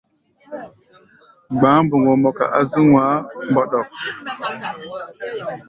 Gba̧á̧ mboŋgo mɔka á zú ŋmaá mbɔɗɔk.